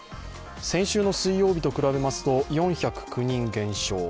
先週の水曜日と比べますと４０９人減少。